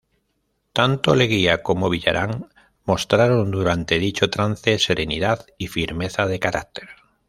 Tanto Leguía como Villarán mostraron durante dicho trance serenidad y firmeza de carácter.